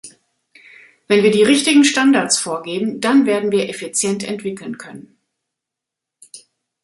Wenn wir die richtigen Standards vorgeben, dann werden wir effizient entwickeln können.